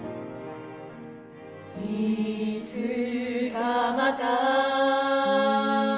「いつかまた」